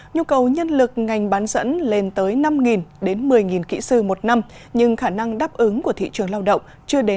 nhu cầu nhân lực ngành bán dẫn lên tới năm đến một mươi kỹ sư một năm nhưng khả năng đáp ứng của thị trường lao động chưa đến